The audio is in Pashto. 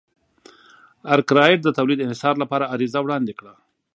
ارکرایټ د تولید انحصار لپاره عریضه وړاندې کړه.